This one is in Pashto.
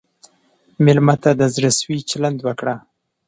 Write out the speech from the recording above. مېلمه ته د زړه سوي چلند وکړه.